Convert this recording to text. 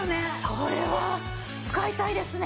これは使いたいですね！